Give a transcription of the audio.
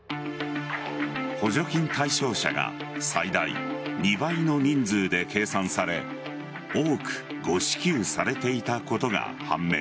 補助金対象者が最大２倍の人数で計算され多く誤支給されていたことが判明。